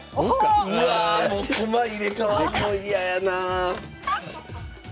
うわあもう駒入れ替わんの嫌やな！